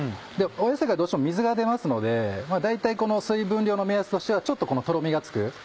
野菜がどうしても水が出ますので大体この水分量の目安としてはちょっととろみがつく。